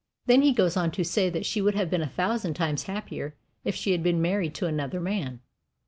Then he goes on to say that she would have been a thousand times happier if she had been married to another man.